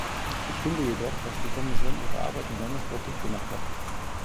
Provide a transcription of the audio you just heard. Ich finde jedoch, dass die Kommission ihre Arbeit in Johannesburg gut gemacht hat.